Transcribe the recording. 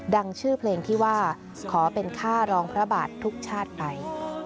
ดังชื่อเพลงที่ว่าขอเป็นค่ารองพระบาททุกชาติไป